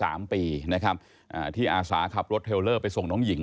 และก็จะรับความจริงของตัวเอง